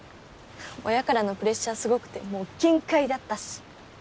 親からのプレッシャーすごくてもう限界だったし。